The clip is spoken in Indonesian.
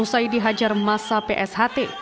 usai dihajar masa psht